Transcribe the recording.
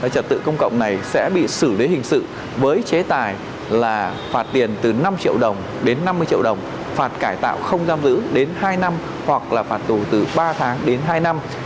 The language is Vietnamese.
trật tự công cộng này sẽ bị xử lý hình sự với chế tài là phạt tiền từ năm triệu đồng đến năm mươi triệu đồng phạt cải tạo không giam giữ đến hai năm hoặc là phạt tù từ ba tháng đến hai năm